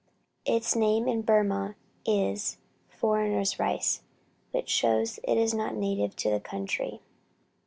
Its name in Burmah is "foreigner's rice," which shows it is not native to the country.